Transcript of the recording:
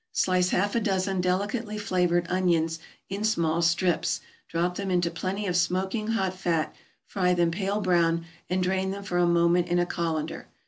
= Slice half a dozen delicately flavored onions in small strips; drop them into plenty of smoking hot fat, fry them pale brown, and drain them for a moment in a colander.